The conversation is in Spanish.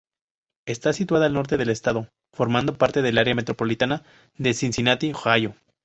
Está situada al norte del estado, formando parte del área metropolitana de Cincinnati, Ohio.